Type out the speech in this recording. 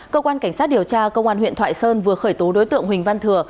cơ quan cảnh sát điều tra công an huyện thoại sơn vừa khởi tố đối tượng huỳnh văn thừa